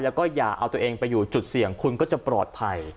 แล้วก็อย่าเอาตัวเองไปอยู่จุดเสี่ยงคุณก็จะปลอดภัย